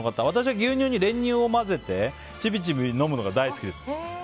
私は牛乳に練乳を混ぜてちびちび飲むのが大好きです。